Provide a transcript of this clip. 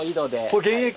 これ現役？